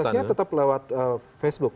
prosesnya tetap lewat facebook